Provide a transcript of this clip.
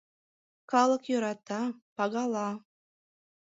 Калык йӧрата, пагала.